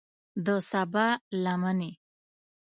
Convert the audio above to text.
د سبا لمنې